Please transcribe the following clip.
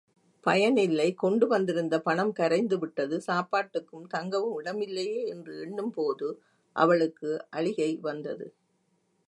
பயனில்லை கொண்டு வந்திருந்த பணம் கரைந்துவிட்டது சாப்பாட்டுக்கும் தங்கவும் இடமில்லையே என்று எண்ணும்போது அவளுக்கு அழிகை வந்தது.